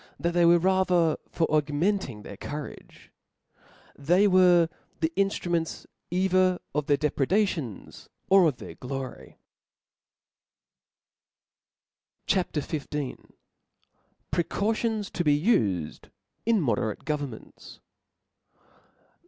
tbac they were rather for augmenting their courage ; they were the inftruments either Qt their depred^ ^ tions or of their glpry, CHAP, XV. Precautions to be ufed in Moderate Governments.